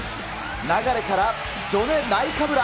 流からジョネ・ナイカブラ。